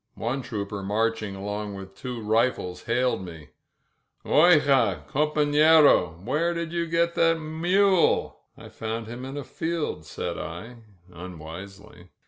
One trooper marching along with two rifles hailed me. Oijaj compaflerOf where did you get that mule?*' "I found him in a field,'' said I unwisely.